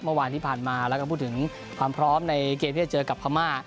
เมื่อวานที่ผ่านมาแล้วก็พูดถึงความพร้อมในเกมที่จะเจอกับพม่า